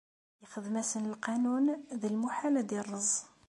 Ixdem-asen lqanun, d lmuḥal ad irreẓ.